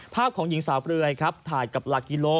ภาพของหญิงสาวเปลือกับหลักกิโล